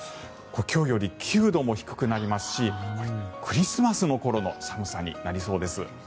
今日より９度も低くなりますしクリスマスの頃の寒さになりそうです。